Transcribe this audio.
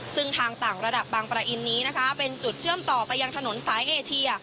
ซึ่งทางต่างระดับบางประอินนี้นะคะเป็นจุดเชื่อมต่อไปยังถนนสายเอเชีย